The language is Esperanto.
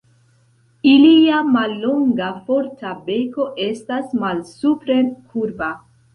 Ilia mallonga, forta beko estas malsupren kurba.